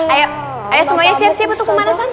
ayo semuanya siap siap untuk pemanasan